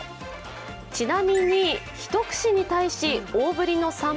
ちなみに、１串に対し大ぶりのさん